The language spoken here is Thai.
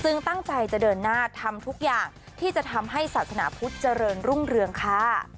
ซึ่งตั้งใจจะเดินหน้าทำทุกอย่างที่จะทำให้ศาสนาพุทธเจริญรุ่งเรืองค่ะ